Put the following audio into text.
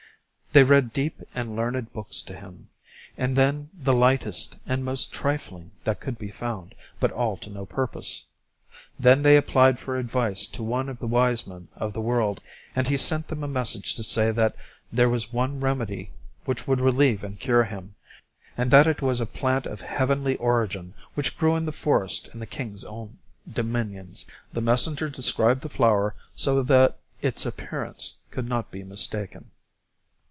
They read deep and learned books to him, and then the lightest and most trifling that could be found, but all to no purpose. Then they applied for advice to one of the wise men of the world, and he sent them a message to say that there was one remedy which would relieve and cure him, and that it was a plant of heavenly origin which grew in the forest in the king's own dominions. The messenger described the flower so that is appearance could not be mistaken.